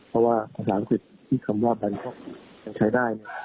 เพราะว่าอุตส่าห์ผลิตที่สำรวจก็จะได้